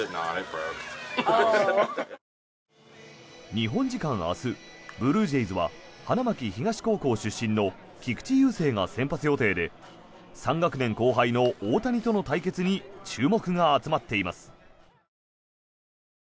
日本時間明日ブルージェイズは花巻東高校出身の菊池雄星が先発予定で３学年後輩の大谷との対決に注目が集まっています。